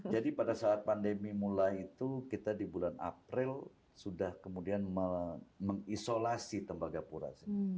jadi pada saat pandemi mulai itu kita di bulan april sudah kemudian mengisolasi tembagapura